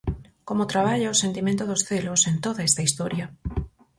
Como traballa o sentimento dos celos en toda esta historia.